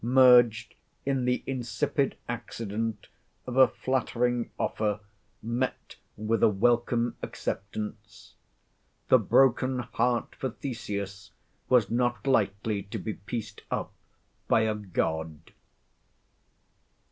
merged in the insipid accident of a flattering offer met with a welcome acceptance. The broken heart for Theseus was not lightly to be pieced up by a God.